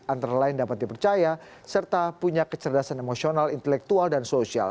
antara lain dapat dipercaya serta punya kecerdasan emosional intelektual dan sosial